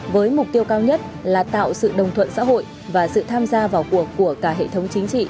với mục tiêu cao nhất là tạo sự đồng thuận xã hội và sự tham gia vào cuộc của cả hệ thống chính trị